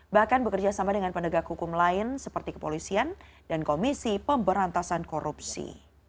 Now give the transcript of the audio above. bahkan bekerja sama dengan penegak hukum lain seperti kepolisian dan komisi pemberantasan korupsi